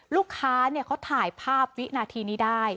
ลูกค้าเขาถ่ายภาพวินาทีนี้ได้